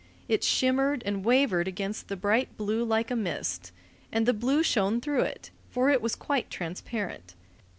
It shimmered and wavered against the bright blue like a mist, and the blue shone through it, for it was quite transparent.